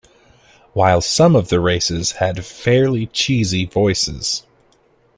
While some of the races had fairly cheesy voices.